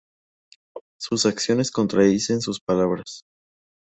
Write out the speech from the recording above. Sus acciones contradicen sus palabras".